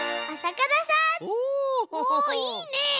おいいね！